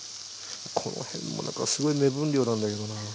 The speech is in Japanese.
この辺も何かすごい目分量なんだけどな。